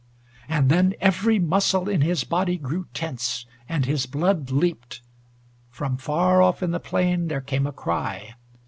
And then every muscle in his body grew tense, and his blood leaped. From far off in the plain there came a cry.